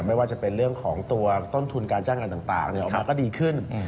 ไม่ว่าจะเป็นเรื่องของตัวต้นทุนการจ้างงานต่างออกมาก็ดีขึ้น